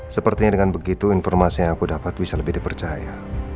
sepertinya dengan begitu informasi yang aku dapat bisa lebih dipercaya